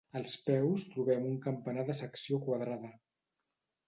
Als peus trobem un campanar de secció quadrada.